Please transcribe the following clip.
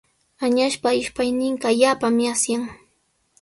Añaspa ishpayninqa allaapami asyan.